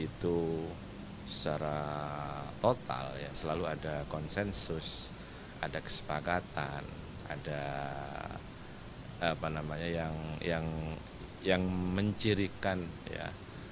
itu secara total ya selalu ada konsensus ada kesepakatan ada apa namanya yang mencirikan ya